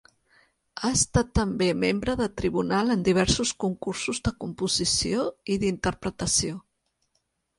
Ha estat també membre de tribunal en diversos concursos de composició i d'interpretació.